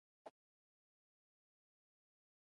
ځوانانو راپورته شئ خپله ژبه وژغورئ۔